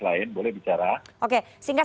lain boleh bicara oke sehingga